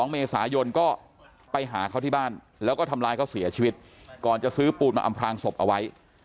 ๒เมษายนก็ไปหาเขาที่บ้านแล้วก็ทำร้ายเขาเสียชีวิตก่อนจะซื้อปูนมาอำพลางศพเอาไว้